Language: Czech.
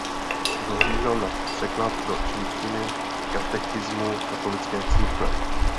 Dohlížel na překlad do čínštiny Katechismu katolické církve.